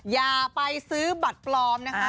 อย่าไปซื้อบัตรปลอมนะคะ